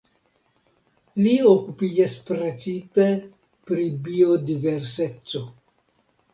Li okupiĝas precipe pri biodiverseco.